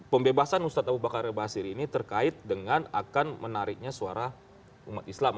pembebasan ustadz abu bakar basir ini terkait dengan akan menariknya suara umat islam